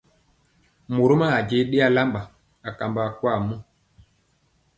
Morom aa je ɗe alamba kambɔ akwaa mɔ.